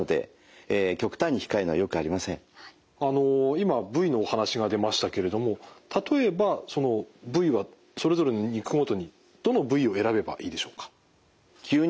今部位のお話が出ましたけれども例えば部位はそれぞれの肉ごとにどの部位を選べばいいでしょうか？